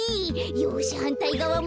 よしはんたいがわも。